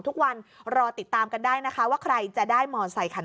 ทุกวันรอติดตามกันได้นะคะว่าใครจะได้มอเซคัน